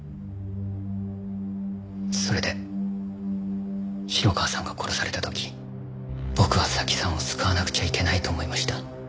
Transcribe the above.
それで城川さんが殺された時僕は早紀さんを救わなくちゃいけないと思いました。